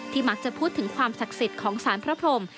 มักจะพูดถึงความศักดิ์สิทธิ์ของสารพระพรม